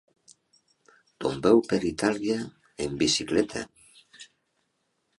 Tombeu per Itàlia en bicicleta.